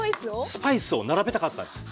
スパイスを並べたかったんです。